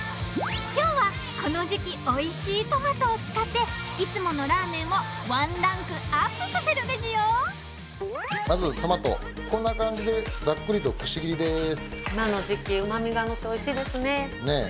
今日はこの時期美味しいトマトを使っていつものラーメンをワンランクアップさせるベジよこんな感じでねえ。